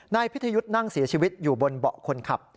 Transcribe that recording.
นายพิทยุทธ์นั่งเสียชีวิตอยู่บนเบาะคนขับ